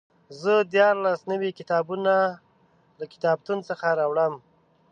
زه دیارلس نوي کتابونه له کتابتون څخه راوړم.